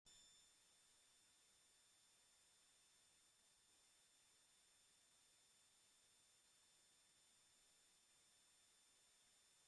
Era una autoridad en biología de la polinización y sistemas reproductivos de las angiospermas.